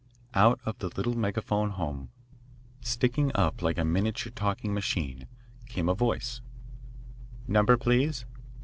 Out of the little megaphone horn, sticking up like a miniature talking machine, came a voice: Number please.